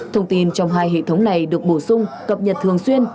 thông tin trong hai hệ thống này được bổ sung cập nhật thường xuyên